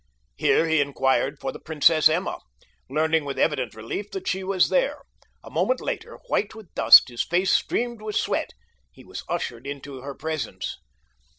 Here he inquired for the Princess Emma, learning with evident relief that she was there. A moment later, white with dust, his face streamed with sweat, he was ushered into her presence.